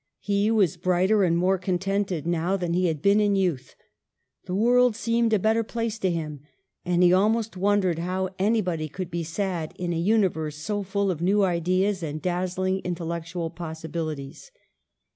He was brighter and more contented now than he had been in youth ; the world seemed a better place to him, and he almost wondered how anybody could be sad in a universe so full of new ideas and dazzling intel lectual possibilities.